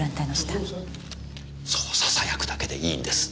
そうささやくだけでいいんです。